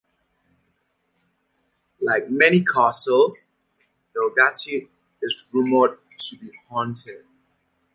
Like many castles, Delgatie is rumoured to be haunted.